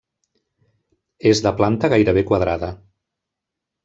És de planta gairebé quadrada.